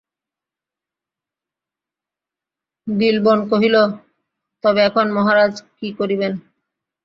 বিল্বন কহিলেন, তবে এখন মহারাজ কী করিবেন?